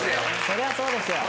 そりゃそうですよ。